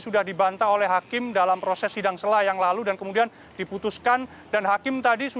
sudah dibantah oleh hakim dalam proses sidang selah yang lalu dan kemudian diputuskan dan hakim tadi